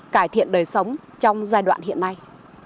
cải thiện đời sống trong giai đoạn hiện nay